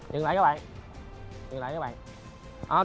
dừng lại các bạn dừng lại các bạn